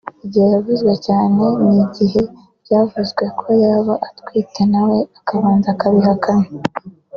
Igihe yavuzwe cyane ni igihe byavugwaga ko yaba atwite nawe akabanza kubihakana